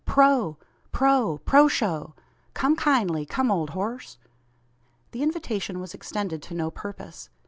"Proh proh proshow! Come kindly! come, old horse!" The invitation was extended to no purpose.